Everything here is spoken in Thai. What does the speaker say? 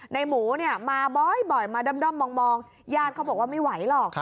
ในหมูเนี่ยมาบ่อยบ่อยมาด้ำด้ำมองมองญาติเขาบอกว่าไม่ไหวหรอก